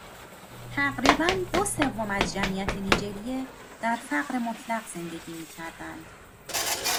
تقریباً دو سوم از جمعیت نیجریه در فقر مطلق زندگی میکردند